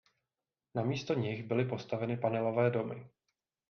Na místo nich byly postaveny panelové domy.